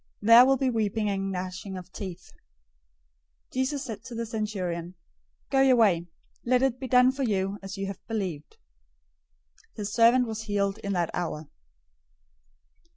There will be weeping and gnashing of teeth." 008:013 Jesus said to the centurion, "Go your way. Let it be done for you as you have believed." His servant was healed in that hour.